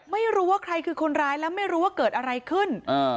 ไม่รู้ว่าใครคือคนร้ายแล้วไม่รู้ว่าเกิดอะไรขึ้น